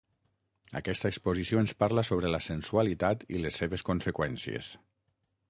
Aquesta exposició ens parla sobre la sensualitat i les seves conseqüències.